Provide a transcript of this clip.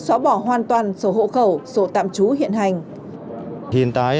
xóa bỏ hoàn toàn số hộ cầu số tạm trú hiện hành